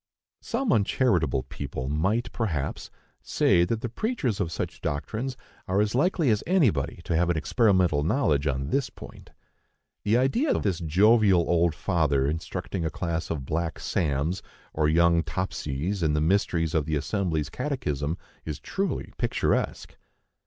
Some uncharitable people might, perhaps, say that the preachers of such doctrines are as likely as anybody to have an experimental knowledge on this point. The idea of this jovial old father instructing a class of black "Sams" and young "Topsys" in the mysteries of the Assembly's Catechism is truly picturesque!